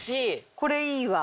これいいわ。